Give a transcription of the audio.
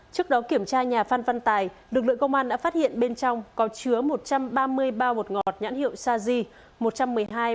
trước đó kiểm tra nhà phan văn tài lực lượng công an đã phát hiện bên trong có chứa một trăm ba mươi bao bột ngọt nhãn hiệu sazhi